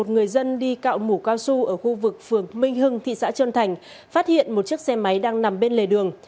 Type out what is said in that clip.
một người dân đi cạo mũ cao su ở khu vực phường minh hưng thị xã trơn thành phát hiện một chiếc xe máy đang nằm bên lề đường